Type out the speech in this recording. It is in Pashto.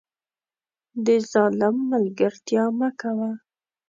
د ظالم ملګرتیا مه کوه